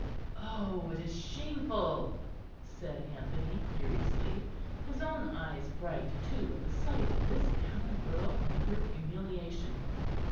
"Oh! it is shameful," said Anthony, furiously, his own eyes bright too, at the sight of this gallant girl and her humiliation.